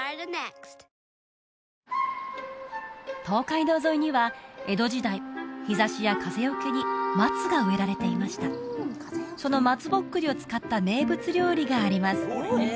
東海道沿いには江戸時代日ざしや風よけに松が植えられていましたその松ぼっくりを使った名物料理があります